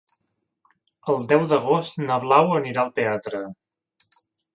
El deu d'agost na Blau anirà al teatre.